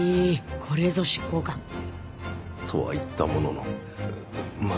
これぞ執行官とは言ったもののまずいな